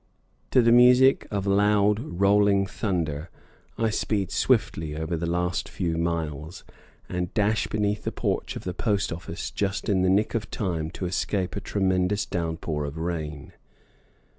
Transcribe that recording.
To the music of loud, rolling thunder, I speed swiftly over the last few miles, and dash beneath the porch of the post office just in the nick of time to escape a tremendous downpour of rain.